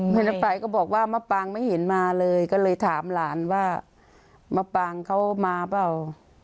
แม่น้ำไฟก็บอกว่ามะปางไม่เห็นมาเลยก็เลยถามหลานว่ามะปางเขามาเปล่า